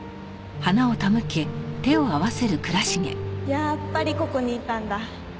やっぱりここにいたんだ。